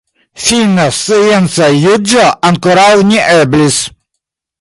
Fina scienca juĝo ankoraŭ ne eblis.